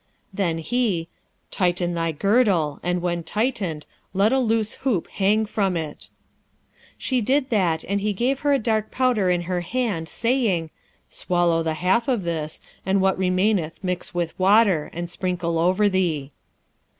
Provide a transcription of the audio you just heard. Then he, 'Tighten thy girdle, and when tightened, let a loose loop hang from it.' She did that, and he gave her a dark powder in her hand, saying, 'Swallow the half of this, and what remaineth mix with water, and sprinkle over thee.'